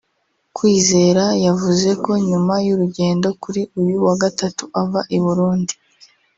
Kwizera yavuze ko nyuma y’urugendo kuri uyu wa Gatatu ava i Burundi